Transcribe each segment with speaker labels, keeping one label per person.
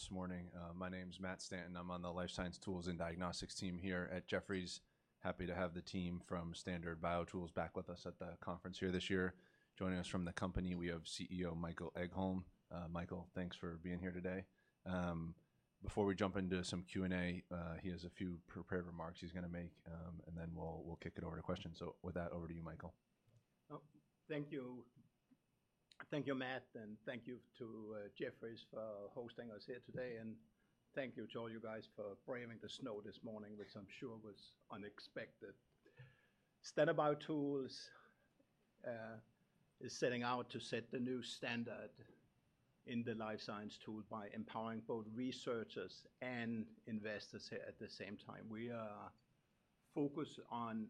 Speaker 1: This morning. My name's Matt Stanton. I'm on the Life Science Tools and Diagnostics team here at Jefferies. Happy to have the team from Standard BioTools back with us at the conference here this year. Joining us from the company, we have CEO Michael Egholm. Michael, thanks for being here today. Before we jump into some Q&A, he has a few prepared remarks he's going to make, and then we'll kick it over to questions. So with that, over to you, Michael.
Speaker 2: Thank you. Thank you, Matt, and thank you to Jefferies for hosting us here today. Thank you to all you guys for braving the snow this morning, which I'm sure was unexpected. Standard BioTools is setting out to set the new standard in the life science tools by empowering both researchers and investors here at the same time. We are focused on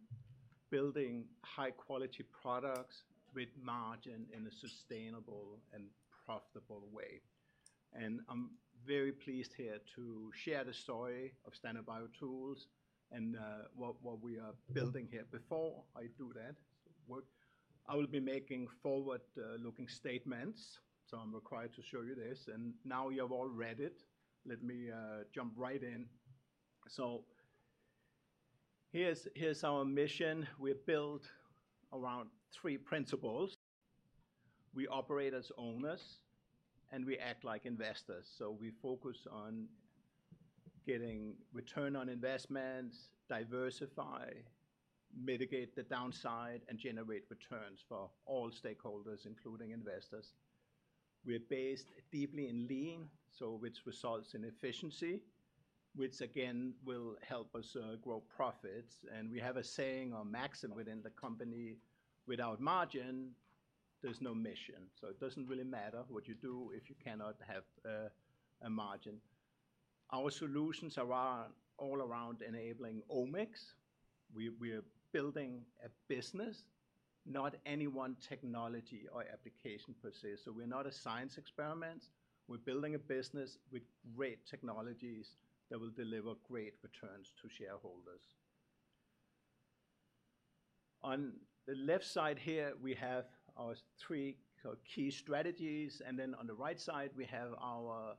Speaker 2: building high-quality products with margin in a sustainable and profitable way. I'm very pleased here to share the story of Standard BioTools and what we are building here. Before I do that, I will be making forward-looking statements, so I'm required to show you this. Now you have all read it. Let me jump right in. Here's our mission. We're built around three principles. We operate as owners, and we act like investors. So we focus on getting return on investments, diversify, mitigate the downside, and generate returns for all stakeholders, including investors. We're based deeply in lean, so which results in efficiency, which again will help us grow profits. And we have a saying, a maxim within the company, "Without margin, there's no mission." So it doesn't really matter what you do if you cannot have a margin. Our solutions are all around enabling omics. We are building a business, not any one technology or application per se. So we're not a science experiment. We're building a business with great technologies that will deliver great returns to shareholders. On the left side here, we have our three key strategies. And then on the right side, we have our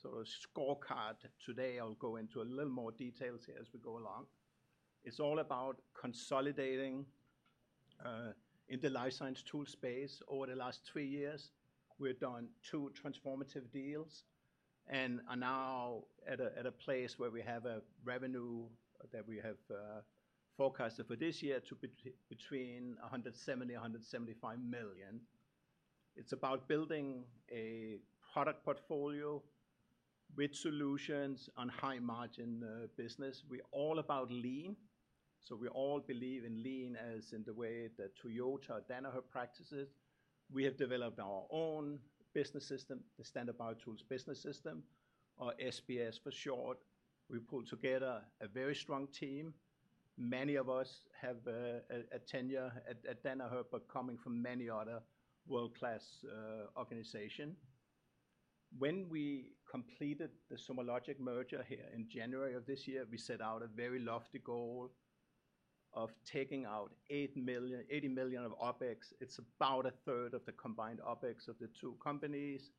Speaker 2: sort of scorecard. Today, I'll go into a little more details here as we go along. It's all about consolidating in the life science tool space. Over the last three years, we've done two transformative deals and are now at a place where we have a revenue that we have forecasted for this year to be between $170-$175 million. It's about building a product portfolio with solutions on high margin business. We're all about lean. So we all believe in lean as in the way that Toyota, Danaher practices. We have developed our own business system, the Standard BioTools Business System, or SBS for short. We've pulled together a very strong team. Many of us have a tenure at Danaher, but coming from many other world-class organizations. When we completed the SomaLogic merger here in January of this year, we set out a very lofty goal of taking out $80 million of OpEx. It's about a third of the combined OpEx of the two companies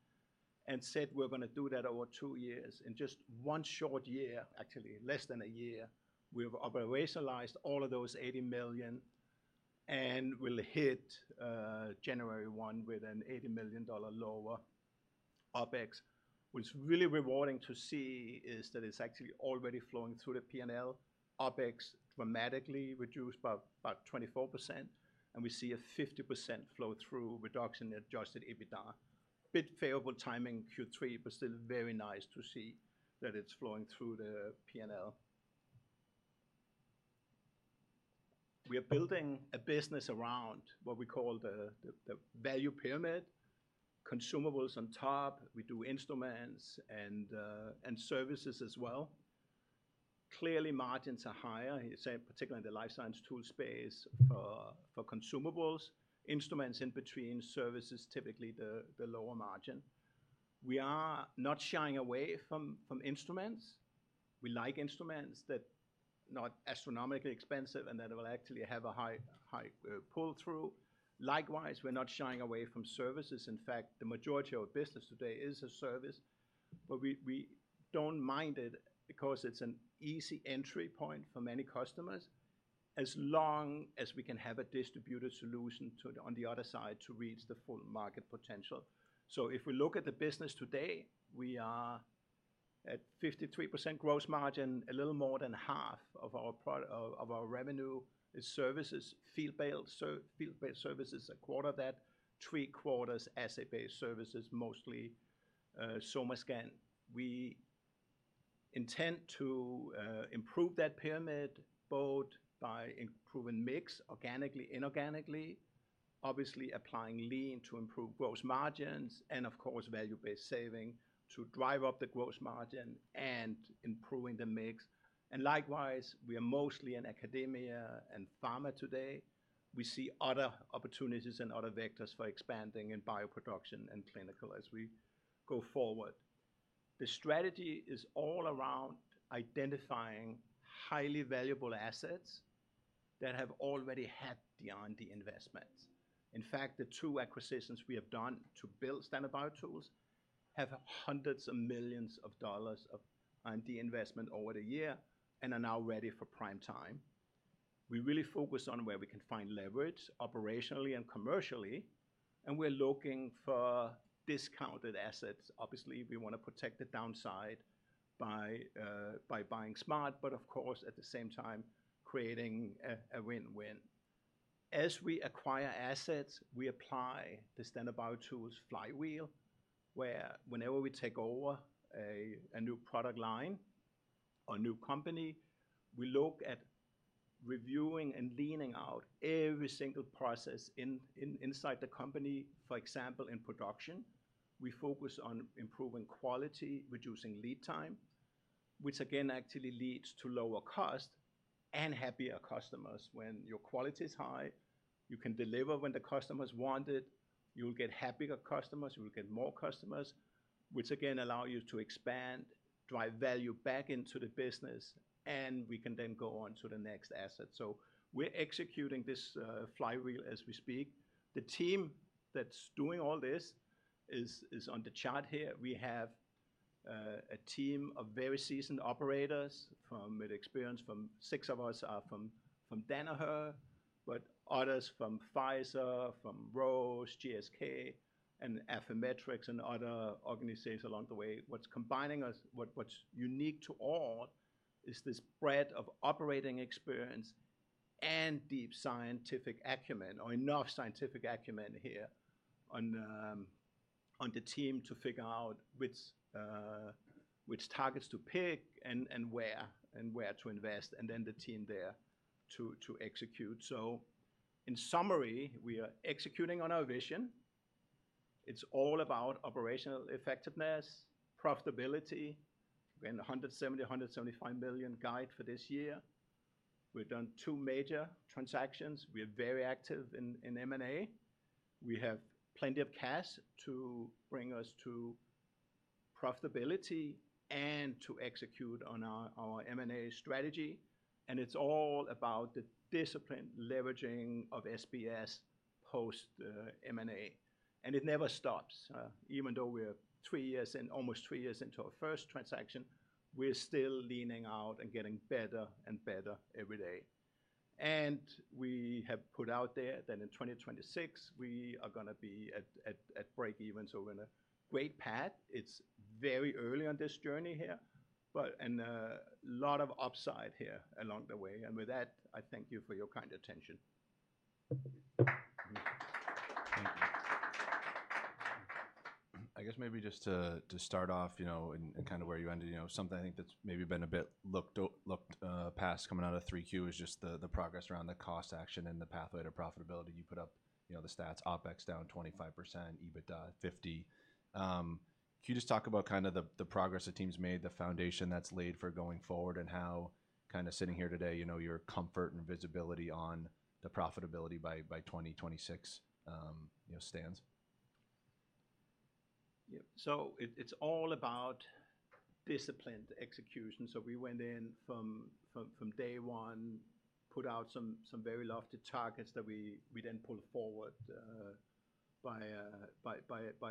Speaker 2: and said we're going to do that over two years. In just one short year, actually less than a year, we've operationalized all of those $80 million and will hit January 1 with an $80 million lower OpEx. What's really rewarding to see is that it's actually already flowing through the P&L. OpEx dramatically reduced by about 24%, and we see a 50% flow-through reduction in adjusted EBITDA. Bit favorable timing in Q3, but still very nice to see that it's flowing through the P&L. We are building a business around what we call the value pyramid. Consumables on top. We do instruments and services as well. Clearly, margins are higher, particularly in the life science tool space for consumables. Instruments in between services, typically the lower margin. We are not shying away from instruments. We like instruments that are not astronomically expensive and that will actually have a high pull-through. Likewise, we're not shying away from services. In fact, the majority of our business today is a service, but we don't mind it because it's an easy entry point for many customers as long as we can have a distributed solution on the other side to reach the full market potential. So if we look at the business today, we are at 53% gross margin. A little more than half of our revenue is services. Field-based services are a quarter of that. Three-quarters asset-based services, mostly SomaScan. We intend to improve that pyramid both by improving mix organically, inorganically, obviously applying lean to improve gross margins and, of course, value-based saving to drive up the gross margin and improving the mix. And likewise, we are mostly in academia and pharma today. We see other opportunities and other vectors for expanding in bioproduction and clinical as we go forward. The strategy is all around identifying highly valuable assets that have already had the R&D investments. In fact, the two acquisitions we have done to build Standard BioTools have hundreds of millions of dollars of R&D investment over the year and are now ready for prime time. We really focus on where we can find leverage operationally and commercially, and we're looking for discounted assets. Obviously, we want to protect the downside by buying smart, but of course, at the same time, creating a win-win. As we acquire assets, we apply the Standard BioTools flywheel where whenever we take over a new product line or a new company, we look at reviewing and leaning out every single process inside the company. For example, in production, we focus on improving quality, reducing lead time, which again actually leads to lower cost and happier customers. When your quality is high, you can deliver when the customers want it. You'll get happier customers. You'll get more customers, which again allow you to expand, drive value back into the business, and we can then go on to the next asset. So we're executing this flywheel as we speak. The team that's doing all this is on the chart here. We have a team of very seasoned operators from experience. Six of us are from Danaher, but others from Pfizer, from Roche, GSK, and Affymetrix and other organizations along the way. What's unique to all is this breadth of operating experience and deep scientific acumen or enough scientific acumen here on the team to figure out which targets to pick and where to invest, and then the team there to execute. So in summary, we are executing on our vision. It's all about operational effectiveness, profitability. We're in the $170-$175 million guide for this year. We've done two major transactions. We're very active in M&A. We have plenty of cash to bring us to profitability and to execute on our M&A strategy. And it's all about the discipline leveraging of SBS post-M&A. And it never stops. Even though we're almost three years into our first transaction, we're still leaning out and getting better and better every day. And we have put out there that in 2026, we are going to be at breakeven. So we're in a great path. It's very early on this journey here, but a lot of upside here along the way. And with that, I thank you for your kind attention.
Speaker 1: I guess maybe just to start off, you know, and kind of where you ended, you know, something I think that's maybe been a bit looked past coming out of 3Q is just the progress around the cost action and the pathway to profitability. You put up the stats, OpEx down 25%, EBITDA 50. Can you just talk about kind of the progress the team's made, the foundation that's laid for going forward, and how kind of sitting here today, you know, your comfort and visibility on the profitability by 2026 stands?
Speaker 2: It's all about disciplined execution. We went in from day one, put out some very lofty targets that we then pulled forward by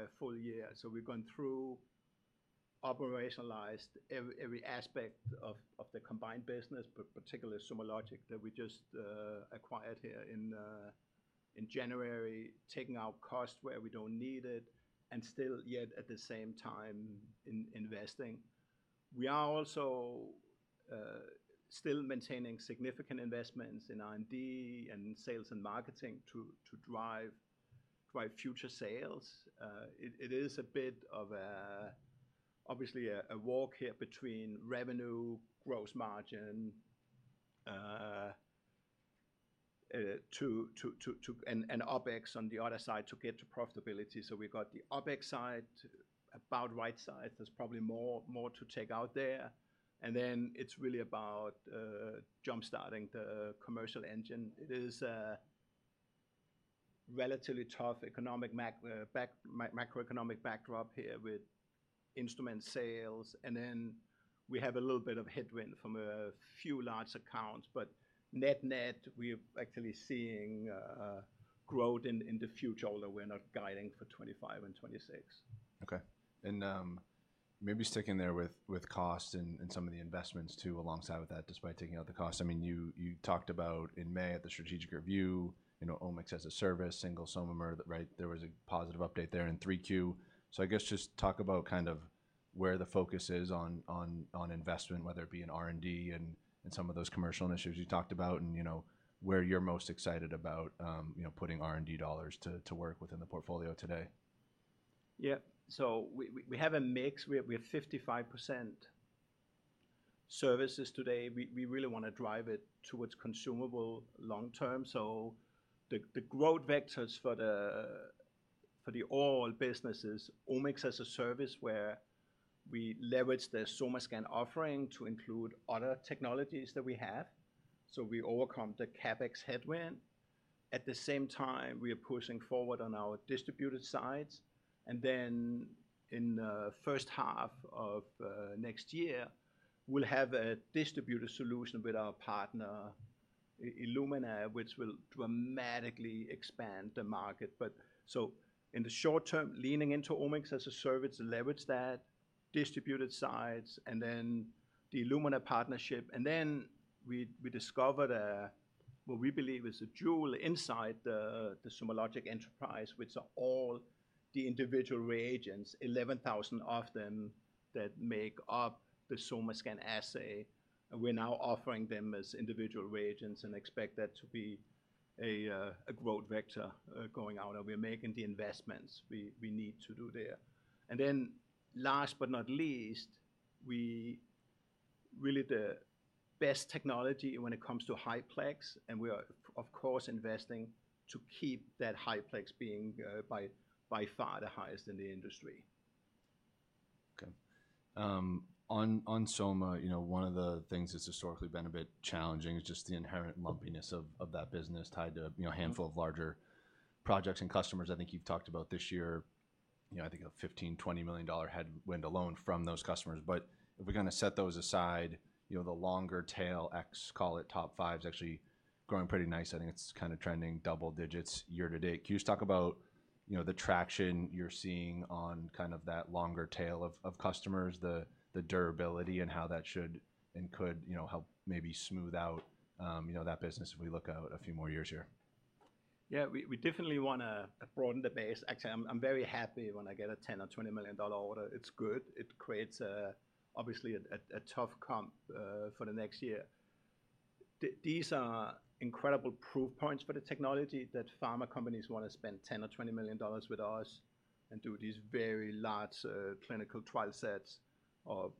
Speaker 2: a full year. We've gone through, operationalized every aspect of the combined business, particularly SomaLogic that we just acquired here in January, taking out costs where we don't need it and still yet at the same time investing. We are also still maintaining significant investments in R&D and sales and marketing to drive future sales. It is a bit of, obviously, a war here between revenue, gross margin, and OpEx on the other side to get to profitability. We've got the OpEx side about right size. There's probably more to take out there. And then it's really about jumpstarting the commercial engine. It is a relatively tough macroeconomic backdrop here with instrument sales. We have a little bit of headwind from a few large accounts, but net net, we're actually seeing growth in the future although we're not guiding for 2025 and 2026.
Speaker 1: Okay. And maybe sticking there with cost and some of the investments too alongside with that despite taking out the cost. I mean, you talked about in May at the strategic review, you know, Omics as a Service, SomaScan, right? There was a positive update there in 3Q. So I guess just talk about kind of where the focus is on investment, whether it be in R&D and some of those commercial initiatives you talked about and where you're most excited about putting R&D dollars to work within the portfolio today.
Speaker 2: Yeah. So we have a mix. We have 55% services today. We really want to drive it towards consumable long term. So the growth vectors for all the businesses, Omics as a service where we leverage the SomaScan offering to include other technologies that we have. So we overcome the CapEx headwind. At the same time, we are pushing forward on our distributed sides. And then in the first half of next year, we'll have a distributed solution with our partner, Illumina, which will dramatically expand the market. But so in the short term, leaning into Omics as a service to leverage that distributed sides and then the Illumina partnership. And then we discovered what we believe is a jewel inside the SomaLogic enterprise, which are all the individual reagents, 11,000 of them that make up the SomaScan assay. We're now offering them as individual reagents and expect that to be a growth vector going out. We're making the investments we need to do there. Last but not least, we're really the best technology when it comes to high-plex. We are, of course, investing to keep that high-plex being by far the highest in the industry.
Speaker 1: Okay. On Soma, you know, one of the things that's historically been a bit challenging is just the inherent lumpiness of that business tied to a handful of larger projects and customers. I think you've talked about this year, you know, I think a $15-$20 million headwind alone from those customers. But if we're going to set those aside, you know, the longer tail, let's call it top five, is actually growing pretty nice. I think it's kind of trending double digits year to date. Can you just talk about, you know, the traction you're seeing on kind of that longer tail of customers, the durability and how that should and could, you know, help maybe smooth out, you know, that business if we look out a few more years here?
Speaker 2: Yeah, we definitely want to broaden the base. Actually, I'm very happy when I get a $10 or $20 million order. It's good. It creates, obviously, a tough comp for the next year. These are incredible proof points for the technology that pharma companies want to spend $10 or $20 million with us and do these very large clinical trial sets or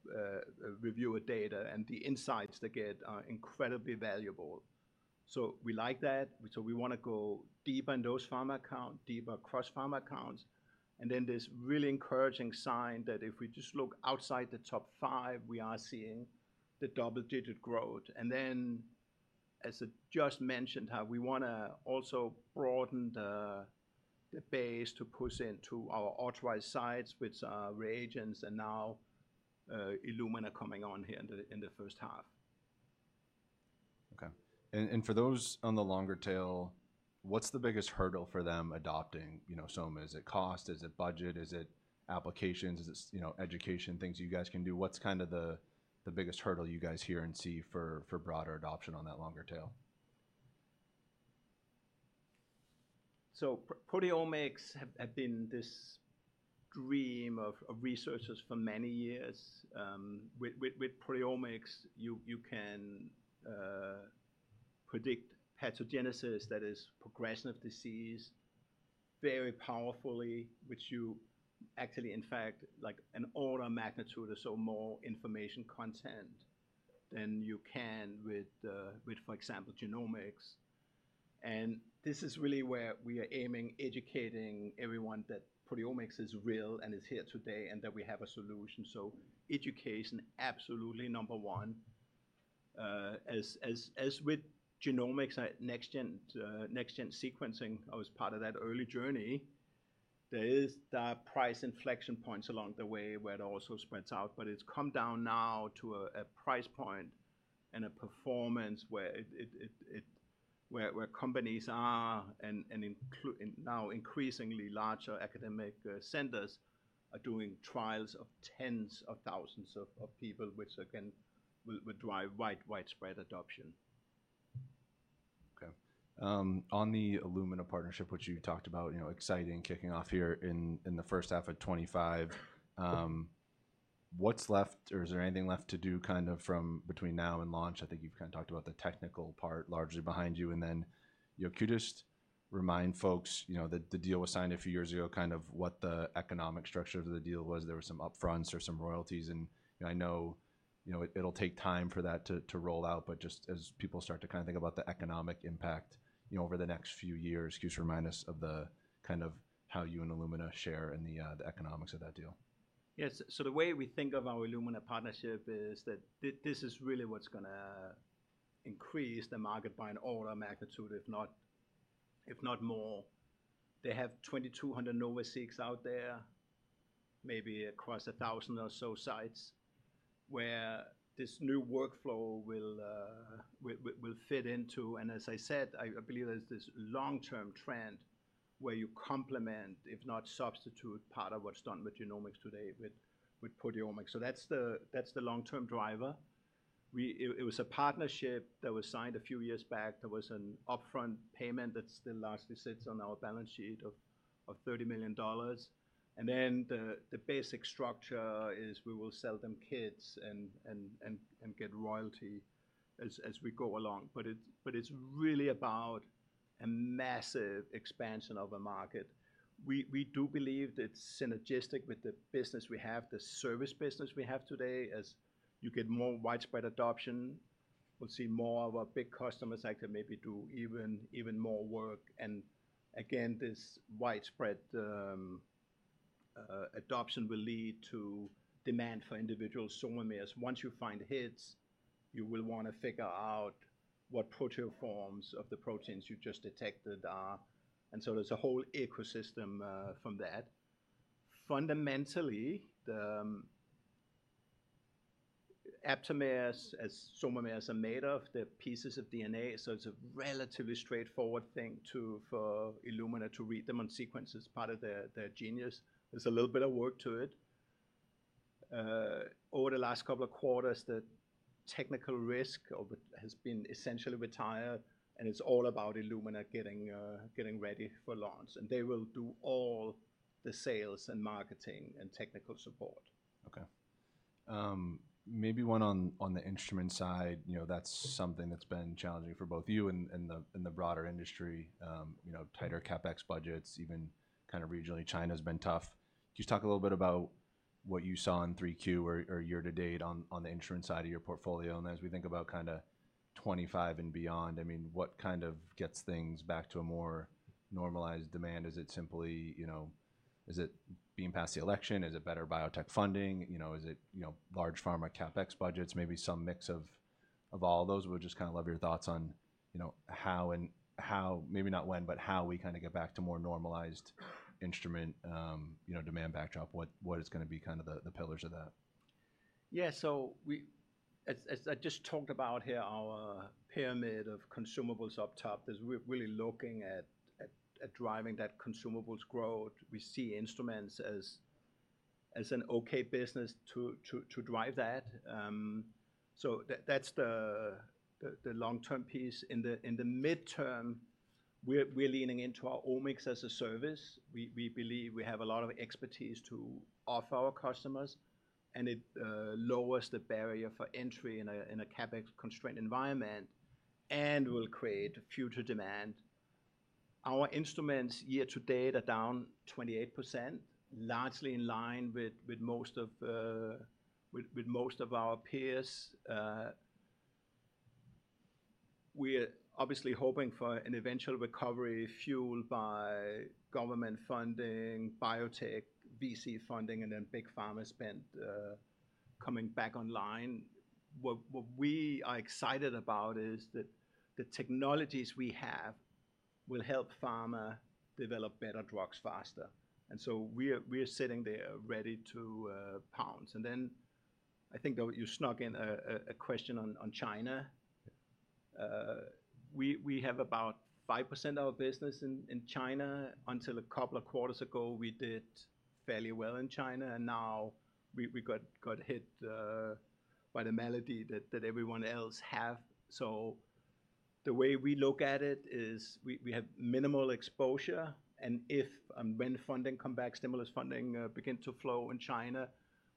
Speaker 2: reviewer data. And the insights they get are incredibly valuable. So we like that. So we want to go deeper in those pharma accounts, deeper cross-pharma accounts. And then this really encouraging sign that if we just look outside the top five, we are seeing the double-digit growth. And then, as I just mentioned, how we want to also broaden the base to push into our authorized sites, which are reagents, and now Illumina coming on here in the first half.
Speaker 1: Okay. And for those on the longer tail, what's the biggest hurdle for them adopting, you know, Soma? Is it cost? Is it budget? Is it applications? Is it, you know, education, things you guys can do? What's kind of the biggest hurdle you guys hear and see for broader adoption on that longer tail?
Speaker 2: Proteomics has been this dream of researchers for many years. With proteomics, you can predict pathogenesis that is progression of disease very powerfully, which you actually, in fact, like an order of magnitude or so more information content than you can with, for example, genomics. And this is really where we are aiming, educating everyone that proteomics is real and is here today and that we have a solution. So education, absolutely number one. As with genomics, next-gen sequencing, I was part of that early journey. There are price inflection points along the way where it also spreads out, but it's come down now to a price point and a performance where companies are and now increasingly larger academic centers are doing trials of tens of thousands of people, which again will drive widespread adoption.
Speaker 1: Okay. On the Illumina partnership, which you talked about, you know, exciting kicking off here in the first half of 2025, what's left or is there anything left to do kind of from between now and launch? I think you've kind of talked about the technical part largely behind you. And then you just remind folks, you know, that the deal was signed a few years ago, kind of what the economic structure of the deal was. There were some up-fronts or some royalties. And I know, you know, it'll take time for that to roll out, but just as people start to kind of think about the economic impact, you know, over the next few years, can you just remind us of the kind of how you and Illumina share in the economics of that deal?
Speaker 2: Yes. So the way we think of our Illumina partnership is that this is really what's going to increase the market by an order of magnitude, if not more. They have 2,200 NovaSeqs out there, maybe across a thousand or so sites where this new workflow will fit into. And as I said, I believe there's this long-term trend where you complement, if not substitute, part of what's done with genomics today with proteomics. So that's the long-term driver. It was a partnership that was signed a few years back. There was an upfront payment that still largely sits on our balance sheet of $30 million. And then the basic structure is we will sell them kits and get royalty as we go along. But it's really about a massive expansion of a market. We do believe that synergistic with the business we have, the service business we have today, as you get more widespread adoption, we'll see more of our big customers actually maybe do even more work, and again, this widespread adoption will lead to demand for individual SOMAmers. Once you find hits, you will want to figure out what proteoforms of the proteins you just detected are, and so there's a whole ecosystem from that. Fundamentally, the aptamers, as SOMAmers are made of, they're pieces of DNA. So it's a relatively straightforward thing for Illumina to read them on sequencers. It's part of their genius. There's a little bit of work to it. Over the last couple of quarters, the technical risk has been essentially retired, and it's all about Illumina getting ready for launch, and they will do all the sales and marketing and technical support.
Speaker 1: Okay. Maybe one on the instrument side, you know, that's something that's been challenging for both you and the broader industry, you know, tighter CapEx budgets, even kind of regionally. China has been tough. Can you just talk a little bit about what you saw in 3Q or year to date on the instrument side of your portfolio? And as we think about kind of 2025 and beyond, I mean, what kind of gets things back to a more normalized demand? Is it simply, you know, is it being past the election? Is it better biotech funding? You know, is it, you know, large pharma CapEx budgets, maybe some mix of all those? We would just kind of love your thoughts on, you know, how, maybe not when, but how we kind of get back to more normalized instrument, you know, demand backdrop, what is going to be kind of the pillars of that?
Speaker 2: Yeah. So as I just talked about here, our pyramid of consumables up top, we're really looking at driving that consumables growth. We see instruments as an okay business to drive that. So that's the long-term piece. In the midterm, we're leaning into our Omics as a Service. We believe we have a lot of expertise to offer our customers, and it lowers the barrier for entry in a CapEx constrained environment and will create future demand. Our instruments year to date are down 28%, largely in line with most of our peers. We're obviously hoping for an eventual recovery fueled by government funding, biotech, VC funding, and then big pharma spend coming back online. What we are excited about is that the technologies we have will help pharma develop better drugs faster. And so we're sitting there ready to pounce. Then I think you snuck in a question on China. We have about 5% of our business in China. Until a couple of quarters ago, we did fairly well in China. Now we got hit by the malady that everyone else has. The way we look at it is we have minimal exposure. If and when funding comeback, stimulus funding begins to flow in China,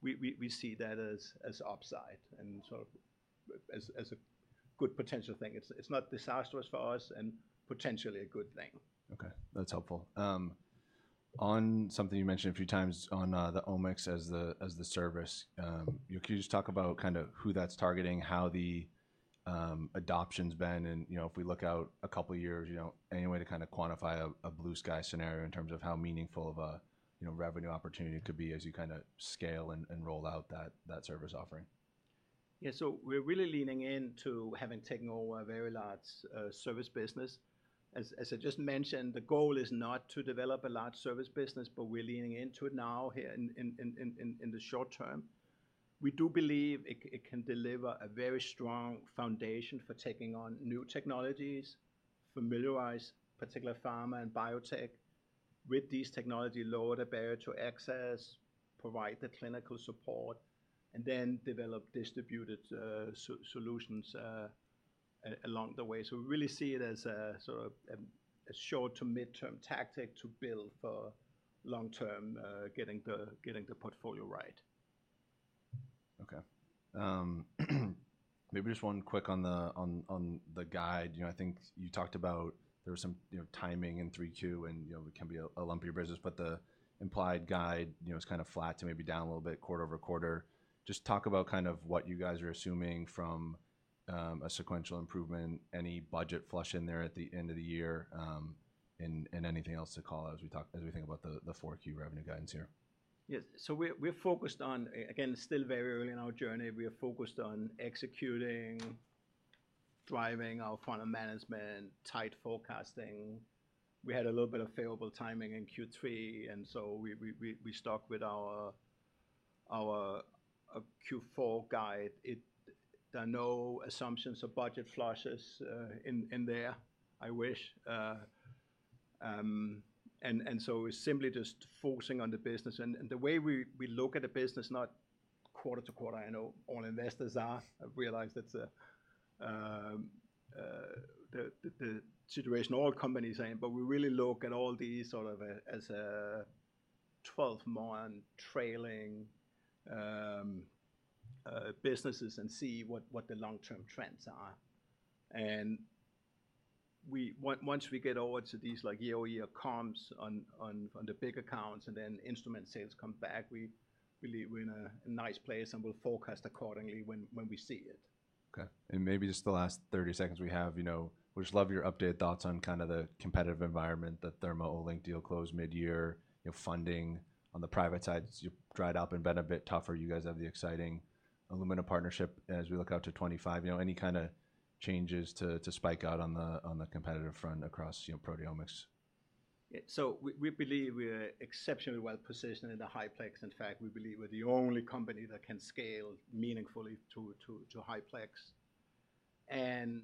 Speaker 2: we see that as upside and sort of as a good potential thing. It's not disastrous for us and potentially a good thing.
Speaker 1: Okay. That's helpful. On something you mentioned a few times on the Omics as a Service, can you just talk about kind of who that's targeting, how the adoption's been? And, you know, if we look out a couple of years, you know, any way to kind of quantify a blue sky scenario in terms of how meaningful of a revenue opportunity it could be as you kind of scale and roll out that service offering?
Speaker 2: Yeah. So we're really leaning into having taken over a very large service business. As I just mentioned, the goal is not to develop a large service business, but we're leaning into it now here in the short term. We do believe it can deliver a very strong foundation for taking on new technologies, familiarize particular pharma and biotech with these technologies, lower the barrier to access, provide the clinical support, and then develop distributed solutions along the way. So we really see it as a sort of a short to midterm tactic to build for long term, getting the portfolio right.
Speaker 1: Okay. Maybe just one quick on the guide. You know, I think you talked about there was some timing in 3Q and, you know, it can be a lumpy business, but the implied guide, you know, is kind of flat to maybe down a little bit quarter over quarter. Just talk about kind of what you guys are assuming from a sequential improvement, any budget flush in there at the end of the year, and anything else to call out as we think about the Q4 key revenue guidance here.
Speaker 2: Yes. So we're focused on, again, still very early in our journey. We are focused on executing, driving our financial management, tight forecasting. We had a little bit of favorable timing in Q3. And so we stuck with our Q4 guide. There are no assumptions or budget flushes in there, I wish. And so we're simply just focusing on the business. And the way we look at the business, not quarter to quarter, I know all investors are. I realize that's the situation all companies are in, but we really look at all these sort of as a 12-month trailing businesses and see what the long-term trends are. And once we get over to these like year-over-year comps on the big accounts and then instrument sales come back, we're in a nice place and we'll forecast accordingly when we see it.
Speaker 1: Okay. And maybe just the last 30 seconds we have, you know, we just love your updated thoughts on kind of the competitive environment, the Thermo Olink deal closed mid-year, you know, funding on the private side has dried up and been a bit tougher. You guys have the exciting Illumina partnership as we look out to 2025. You know, any kind of changes to speak out on the competitive front across proteomics?
Speaker 2: So we believe we're exceptionally well positioned in the high-plex. In fact, we believe we're the only company that can scale meaningfully to high-plex. And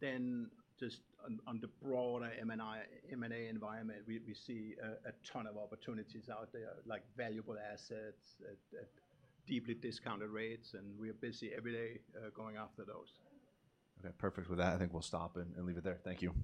Speaker 2: then just on the broader M&A environment, we see a ton of opportunities out there, like valuable assets at deeply discounted rates. And we are busy every day going after those.
Speaker 1: Okay. Perfect. With that, I think we'll stop and leave it there. Thank you.